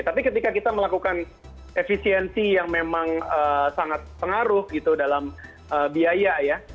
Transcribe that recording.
tapi ketika kita melakukan efisiensi yang memang sangat pengaruh gitu dalam biaya ya